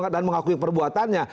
dan mengakui perbuatannya